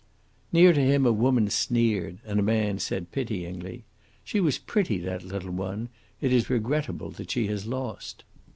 Near to him a woman sneered, and a man said, pityingly: "She was pretty, that little one. It is regrettable that she has lost."